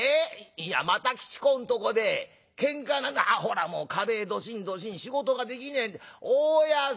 いやまた吉公んとこでケンカあほらもう壁ドシンドシン仕事ができねえ大家さん！」。